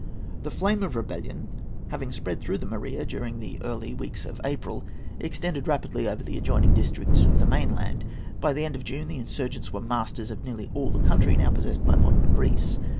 The flame of rebellion, having spread through the Morea during the early weeks of April, extended rapidly over the adjoining districts of the mainland. By the end of June the insurgents were masters of nearly all the country now possessed by modern Greece.